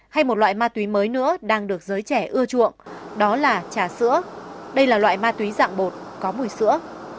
hay một loại ma túy mới nữa đang được giới trẻ ưa chuộng đó là trà sữa đây là loại ma túy dạng bột có mùi sữa